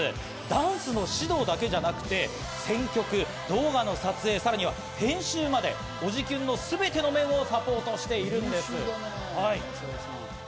ダンスの指導だけじゃなくて、選曲や動画の撮影、さらには編集までおじキュン！のすべての面をサポートしているんです。